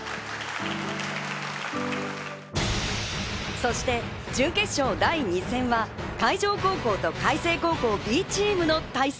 そして準決勝第２戦は、海城高校と開成高校Ｂチームの対戦。